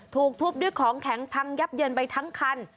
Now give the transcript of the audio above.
ถูกทุบด้วยของแข็งพังยับเยินไปทั้งคัน